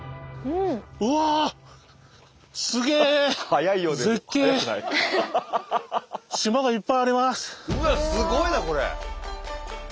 うわすごいなこれ！